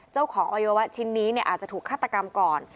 เจ้าของอายุวะชิ้นนี้เนี่ยอาจจะถูกฆาตกรรมก่อน